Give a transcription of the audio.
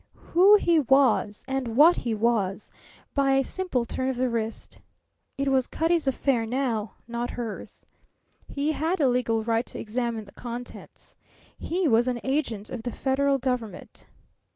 Who he was and what he was, by a simple turn of the wrist. It was Cutty's affair now, not hers. He had a legal right to examine the contents. He was an agent of the Federal Government.